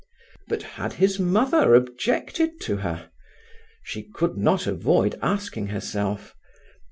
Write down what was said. But had his mother objected to her? She could not avoid asking herself.